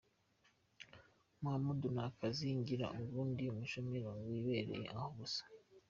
Muhamud: Nta kazi ngira ubu ndi umushomeri wibereye aho gusa.